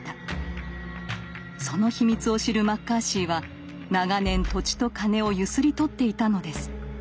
その秘密を知るマッカーシーは長年土地と金をゆすり取っていたのです。